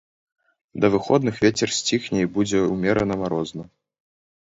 Да выходных вецер сціхне і будзе ўмерана марозна.